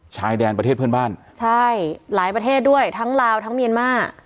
ชายแดนประเทศเพื่อนบ้านใช่หลายประเทศด้วยทั้งลาวทั้งเมียนมาร์